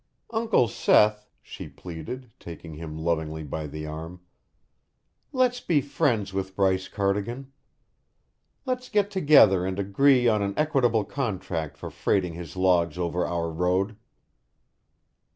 "Uncle Seth," she pleaded, taking him lovingly by the arm, "let's be friends with Bryce Cardigan; let's get together and agree on an equitable contract for freighting his logs over our road."